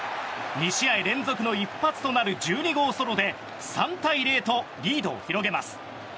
２試合連続の一発となる１２号ソロで３対０とリードを広げます。